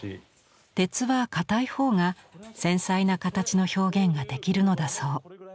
鉄は硬い方が繊細な形の表現ができるのだそう。